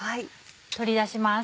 取り出します。